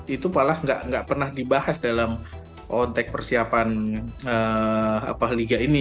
itu malah nggak pernah dibahas dalam konteks persiapan liga ini